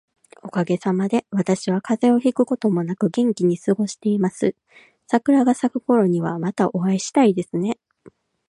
おかげさまで、私は風邪をひくこともなく元気に過ごしています。桜が咲くころには、またお会いしたいですね。